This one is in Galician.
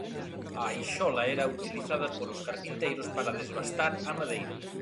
A aixola era utilizada polos carpinteiros para desbastar a madeira.